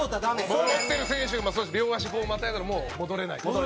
澤部：持ってる選手が両足、またいだらもう戻れない。